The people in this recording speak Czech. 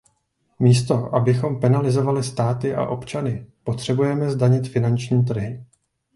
Místo, abychom penalizovali státy a občany, potřebujeme zdanit finanční trhy.